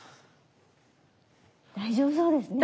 大丈夫そうですね